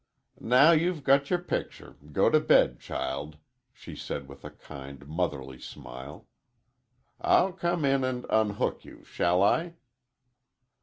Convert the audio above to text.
"Now you've got your picture, go to bed, child," she said with a kind, motherly smile. "I'll come in and unhook you, shall I?"